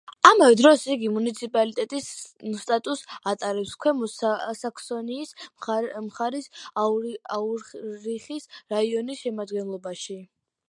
ამავე დროს, იგი მუნიციპალიტეტის სტატუსს ატარებს ქვემო საქსონიის მხარის აურიხის რაიონის შემადგენლობაში.